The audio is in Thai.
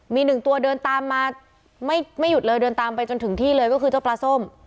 มีหนึ่งตัวเดินตามมาไม่หยุดเลยเดินตามไปจนถึงที่เลยก็คือเจ้าปลาส้ม